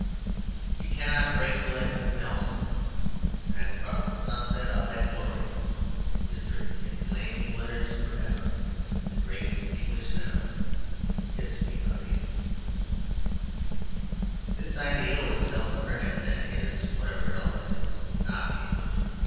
You cannot break the legend of Nelson. And across the sunset of that glory is written in flaming letters for ever the great English sentiment, "Kiss me, Hardy." This ideal of self repression, then, is, whatever else it is, not English.